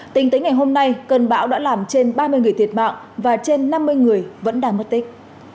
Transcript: tính tới ngày hôm nay cơn bão đã làm trên ba mươi người thiệt mạng và trên năm mươi người vẫn đang mất tích